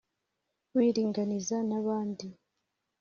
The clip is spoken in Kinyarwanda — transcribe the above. wiringaniza n'abandi